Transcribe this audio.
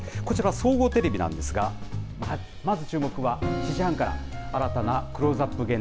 こちら、総合テレビなんですが、まず注目は７時半から、新たなクローズアップ